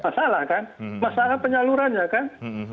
masalah kan masalah penyalurannya kan